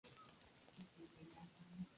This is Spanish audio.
El ataque de Aura Storm no lo usa en la serie.